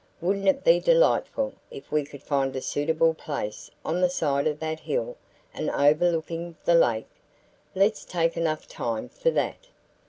"Wouldn't it be delightful if we could find a suitable place on the side of that hill and overlooking the lake? Let's take enough time for that."